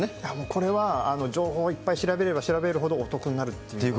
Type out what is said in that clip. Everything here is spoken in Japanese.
これは情報をいっぱい調べれば調べるほどお得になるっていう。